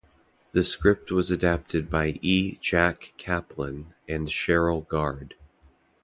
The script was adapted by E. Jack Kaplan and Cheryl Gard.